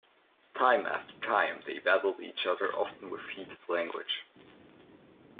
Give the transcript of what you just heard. Time after time, they battled each other, often with heated language.